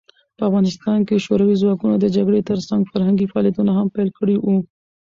په افغانستان کې شوروي ځواکونه د جګړې ترڅنګ فرهنګي فعالیتونه هم پیل کړي وو.